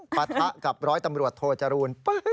ปะทะกับ๑๐๐ตำรวจโทจรูน